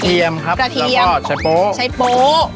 กระเทียมครับกระเทียมแล้วก็ชัยโป๊ะชัยโป๊ะ